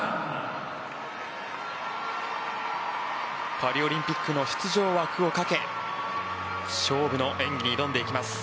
パリオリンピックの出場枠をかけ勝負の演技に挑んでいきます。